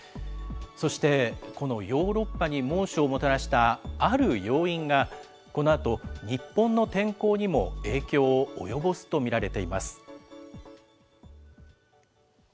そしてこのヨーロッパに猛暑をもたらしたある要因が、このあと、日本の天候にも影響を及ぼすと見られています。